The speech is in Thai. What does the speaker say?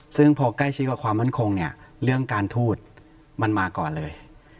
ซึ่งพอใกล้ชิดกับความมั่นคงเนี่ยเรื่องการทูตมันมาก่อนเลย